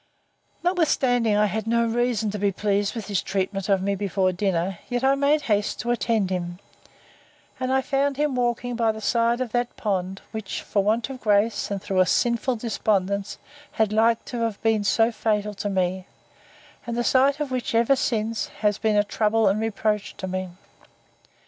Notwithstanding I had no reason to be pleased with his treatment of me before dinner, yet I made haste to attend him; and I found him walking by the side of that pond, which, for want of grace, and through a sinful despondence, had like to have been so fatal to me, and the sight of which, ever since, has been a trouble and reproach to me.